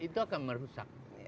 itu akan merusak